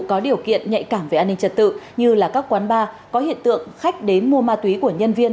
có điều kiện nhạy cảm về an ninh trật tự như là các quán bar có hiện tượng khách đến mua ma túy của nhân viên